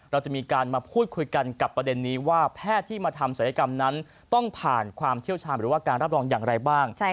เราจะมีการมาพูดคุยกันกับประเด็นนี้ว่าแพทย์ที่มาทำศัลยกรรมนั้นต้องผ่านความเชี่ยวชาญหรือว่าการรับรองอย่างไรบ้าง